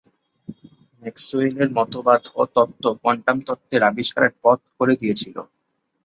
ম্যাক্সওয়েলের মতবাদ ও তত্ত্ব কোয়ান্টাম তত্ত্বের আবিষ্কারের পথ করে দিয়েছিল।